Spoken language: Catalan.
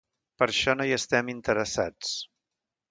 Per això no hi estem interessats.